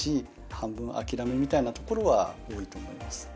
半分諦めみたいなところは多いと思います。